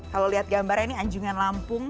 kalau lihat gambarnya ini anjungan lampung